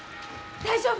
大丈夫？